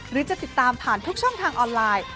หรือจะติดตามผ่านทุกช่องทางออนไลน์